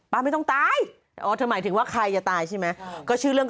ป้าไม่ต้องตายอ๋อทำไมถึงว่าใครจะตายใช่ไหมค่ะก็ชื่อเรื่อง